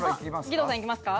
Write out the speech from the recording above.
義堂さん行きますか？